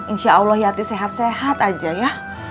insya allah yati sehat sehat aja ya